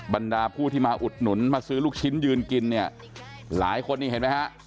บรรดาผู้ที่มาอุดหนุนมาซื้อลูกชิ้นยืนกินเนี่ยหลายคนนี่เห็นไหมฮะ